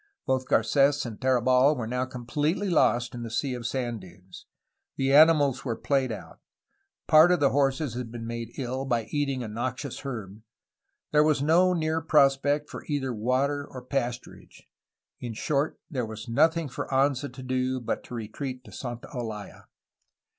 Both Garces and Tarabal were now completely lost in the sea of sand dunes; the animals were played out; part of the horses had been made ill by eating a noxious herb; there was no near prospect for either water or pasturage; in short, there was nothing for Anza to do but to retreat to Santa Olaya.